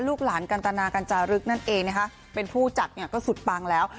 ลูกหลานกันตนากัญจารึกนั่นเองนะคะเป็นผู้จัดเนี่ยก็สุดปังแล้ว